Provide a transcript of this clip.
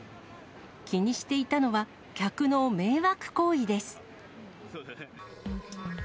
気にしていたのは、客の迷惑行為です。